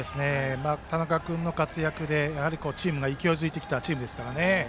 田中君の活躍でチームが勢いづいてきましたから。